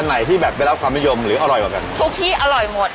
อุ๊ยบางวันก็เกิน